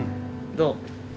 どう？